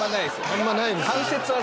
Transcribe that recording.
あんまないですよね。